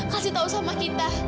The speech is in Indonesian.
kasih tahu sama kita